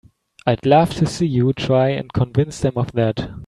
I'd love to see you try and convince them of that!